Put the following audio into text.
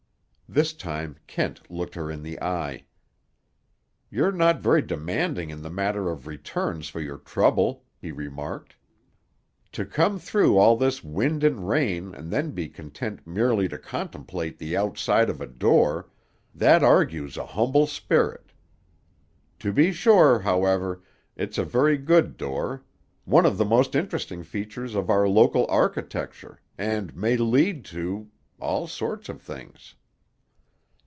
This time Kent looked her in the eye. "You're not very demanding in the matter of returns for your trouble," he remarked. "To come through all this wind and rain and then be content merely to contemplate the outside of a door—that argues an humble spirit. To be sure, however, it's a very good door; one of the most interesting features of our local architecture, and may lead to—all sorts of things."